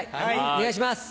お願いします。